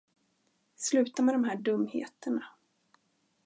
Sluta med de här dumheterna.